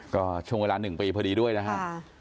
ก็ช่วงเวลา๑ปีพอดีด้วยนะครับ